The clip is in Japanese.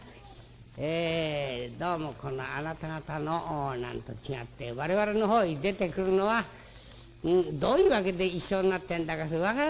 どうもあなた方のなんと違って我々のほうに出てくるのはどういう訳で一緒になってんだか分からないですな。